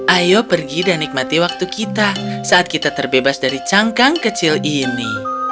ayo pergi dan nikmati waktu kita saat kita terbebas dari cangkang kecil ini